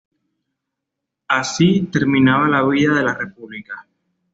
Así terminaba la vida de la república.